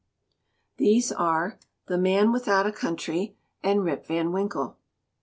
These are The Man Without a Country and Rip Van Winkle.